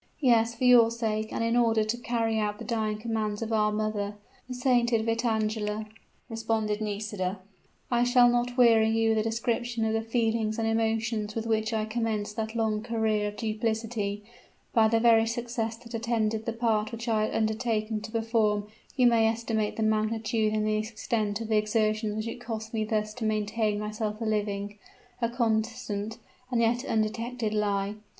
"Yes for your sake and in order to carry out the dying commands of our mother, the sainted Vitangela?" responded Nisida. "I shall not weary you with a description of the feelings and emotions with which I commenced that long career of duplicity; by the very success that attended the part which I had undertaken to perform you may estimate the magnitude and the extent of the exertions which it cost me thus to maintain myself a living a constant and yet undetected lie!